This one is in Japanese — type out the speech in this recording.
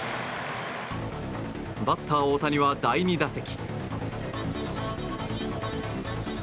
バッター大谷は第２打席。